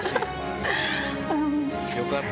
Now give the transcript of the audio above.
よかった。